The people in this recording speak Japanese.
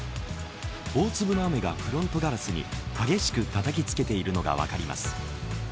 大粒の雨がフロントガラスに激しくたたきつけているのが分かります。